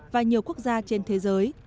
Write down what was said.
và nhiều quốc gia trên thế giới